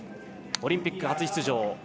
オリンピック初出場。